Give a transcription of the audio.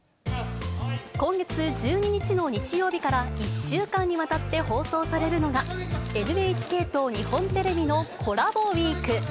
今月１２日の日曜日から１週間にわたって放送されるのが、ＮＨＫと日本テレビのコラボウイーク。